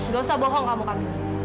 gak usah bohong kamu kan